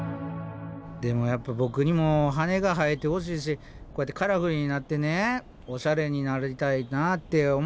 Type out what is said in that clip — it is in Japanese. でもやっぱボクにも羽が生えてほしいしこうやってカラフルになってオシャレになりたいなって思うんですよ。